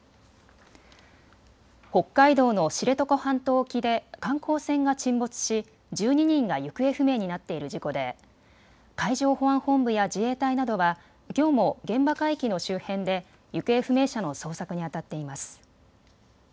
北海道の知床半島沖で観光船が沈没し１２人が行方不明になっている事故で海上保安本部や自衛隊などはきょうも現場海域の周辺で行方不明者の捜索にあたっています。